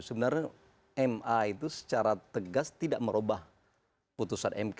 sebenarnya ma itu secara tegas tidak merubah putusan mk